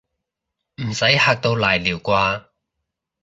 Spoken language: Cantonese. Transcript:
唔使嚇到瀨尿啩